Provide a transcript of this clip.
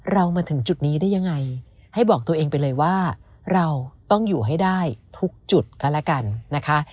มาถึงจุดนี้ได้ยังไงให้บอกตัวเองไปเลยว่าเราต้องอยู่ให้ได้ทุกจุดก็แล้วกันนะคะ